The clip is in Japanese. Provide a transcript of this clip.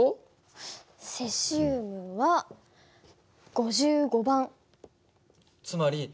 セシウムは５５番。